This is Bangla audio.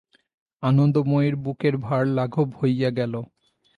আনন্দময়ীর বুকের ভার লাঘব হইয়া গেল।